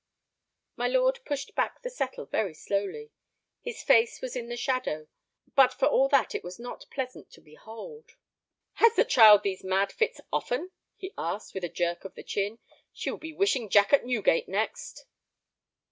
My lord pushed back the settle very slowly. His face was in the shadow, but for all that it was not pleasant to behold. "Has the child these mad fits often?" he asked, with a jerk of the chin. "She will be wishing Jack at Newgate next."